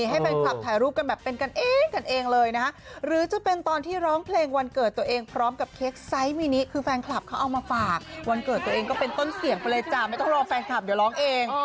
ให้แฟนคลับถ่ายรูปกันแบบเป็นกันเองกันเองเลยนะฮะหรือจะเป็นตอนที่ร้องเพลงวันเกิดตัวเองพร้อมกับเค้กไซส์มินิคือแฟนคลับเขาเอามาฝากวันเกิดตัวเองก็เป็นต้นเสียงไปเลยจ้ะไม่ต้องรอแฟนคลับเดี๋ยวร้องเอง